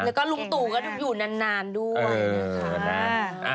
แล้วก็ลุงตู่ก็อยู่นานด้วย